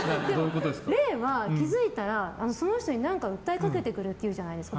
霊は気づいたらその人に何か訴えかけてくるっていうじゃないですか。